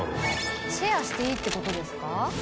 若槻）シェアしていいってことですか？